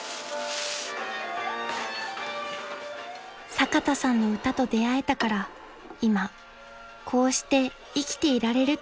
［坂田さんの歌と出会えたから今こうして生きていられるという仁美さん］